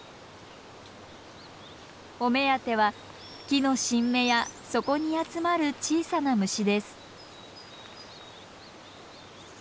お目当ては木の新芽やそこに集まる小さな虫です。